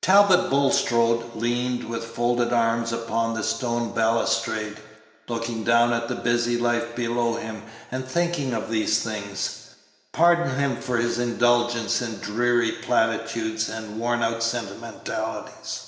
Talbot Bulstrode leaned with folded arms upon the stone balustrade, looking down at the busy life below him, and thinking of these things. Pardon him for his indulgence in dreary platitudes and wornout sentimentalities.